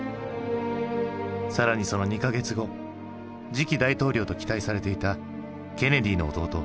更にその２か月後次期大統領と期待されていたケネディの弟